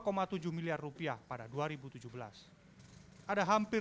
pendapatan pebisnis air tak sebanding dengan pendapatan pdam ym beliling yang hanya rp dua tujuh miliar